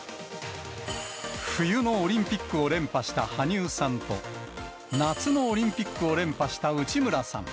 冬のオリンピックを連覇した羽生さんと、夏のオリンピックを連覇した内村さん。